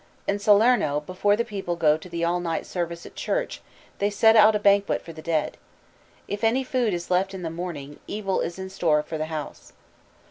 In Salerno before the people go to the all night service at church they set out a banquet for the dead. If any food is left in the morning, evil is in store for the house.